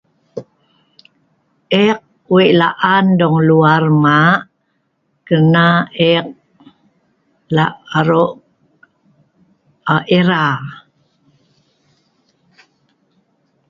Ek weik la'an dong luar mak kerna ek lak arok era